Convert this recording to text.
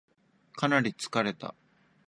かなり疲れた